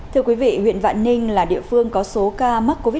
thưa quý vị huyện vạn ninh là địa phương có số ca mắc covid một mươi chín